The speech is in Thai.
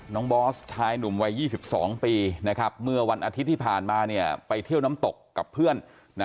น้องบอสชายหนุ่มวัยยี่สิบสองปีนะครับเมื่อวันอาทิตย์ที่ผ่านมาเนี่ยไปเที่ยวน้ำตกกับเพื่อนนะ